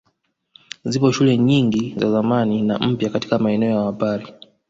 Zipo shule nyingi za zamani na mpya katika maeneo ya wapare